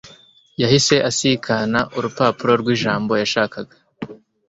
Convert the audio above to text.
yahise asikana urupapuro rwijambo yashakaga